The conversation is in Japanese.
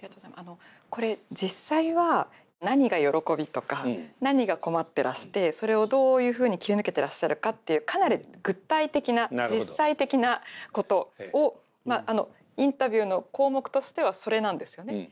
あのこれ実際は何が喜びとか何が困ってらしてそれをどういうふうに切り抜けてらっしゃるかっていうかなり具体的な実際的なことをインタビューの項目としてはそれなんですよね。